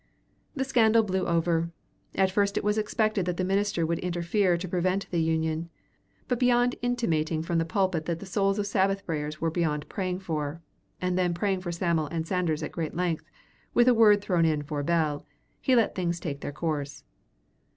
The scandal blew over. At first it was expected that the minister would interfere to prevent the union, but beyond intimating from the pulpit that the souls of Sabbath breakers were beyond praying for, and then praying for Sam'l and Sanders at great length, with a word thrown in for Bell, he let things take their course.